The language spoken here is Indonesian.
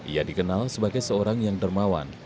ia dikenal sebagai seorang yang dermawan